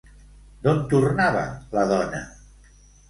D'on tornava la dona?